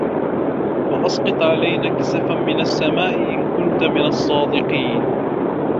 فَأَسقِط عَلَينا كِسَفًا مِنَ السَّماءِ إِن كُنتَ مِنَ الصّادِقينَ